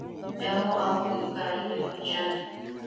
damu au kugeuka rangi ya manjano